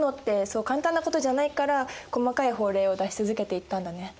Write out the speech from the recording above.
そう簡単なことじゃないから細かい法令を出し続けていったんだね。